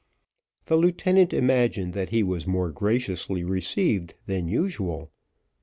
The lieutenant imagined that he was more graciously received than usual.